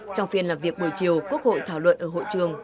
trong phiên làm việc buổi chiều quốc hội thảo luận ở hội trường